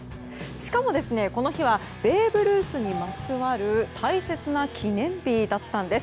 しかも、この日はベーブ・ルースにまつわる大切な記念日だったんです。